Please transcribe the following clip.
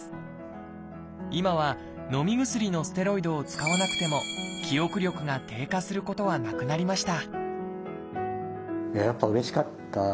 今はのみ薬のステロイドを使わなくても記憶力が低下することはなくなりました